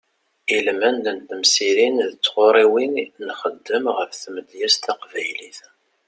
Ilmend n temsirin d tɣuriwin nexdem ɣef tmedyazt taqbaylit.